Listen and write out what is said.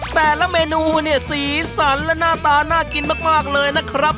แต่ละเมนูเนี่ยสีสันและหน้าตาน่ากินมากเลยนะครับ